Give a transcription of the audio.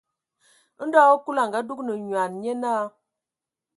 Ndo hm Kúlu a dúgan nyoan, nyé náa.